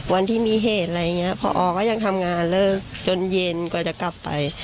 วันที่มีเหตุอะไรอย่างนี้พอก็ยังทำงานเลิกจนเย็นกว่าจะกลับไป